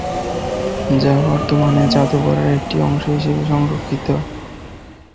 যা বর্তমানে যাদুঘরের একটি অংশ হিসেবে সংরক্ষিত।